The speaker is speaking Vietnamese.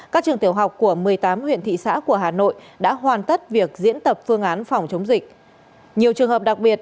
các trường tiểu học của một mươi tám huyện thị xã của hà nội đã hoàn tất việc diễn tập phương án phòng chống dịch